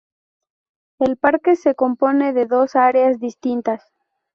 El parque se compone de dos áreas distintas:.